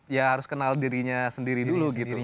ya harus kenal dirinya sendiri dulu gitu